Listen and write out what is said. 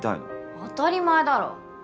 当たり前だろ。